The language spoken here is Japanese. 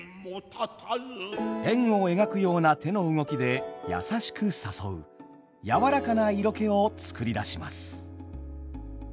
円を描くような手の動きでやさしく誘う「やわらかな色気」を作り出します。